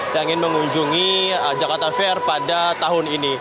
yang ingin mengunjungi jakarta fair pada tahun ini